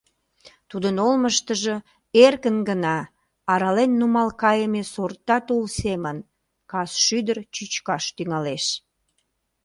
тудын олмыштыжо эркын гына, арален нумал кайыме сорта тул семын, кас шӱдыр чӱчкаш тӱҥалеш.